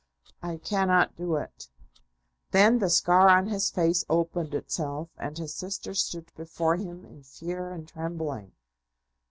"I cannot do it." Then the scar on his face opened itself, and his sister stood before him in fear and trembling.